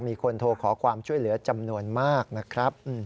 มีคนโทรขอความช่วยเหลือจำนวนมากนะครับ